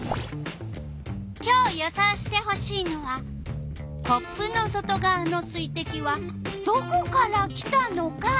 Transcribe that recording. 今日予想してほしいのはコップの外がわの水てきはどこから来たのか。